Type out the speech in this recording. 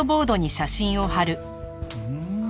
うん？